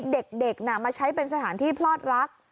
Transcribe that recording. เด็กมาใช้เป็นสถานที่พลอดรัก